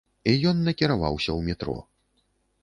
І ён накіраваўся ў метро.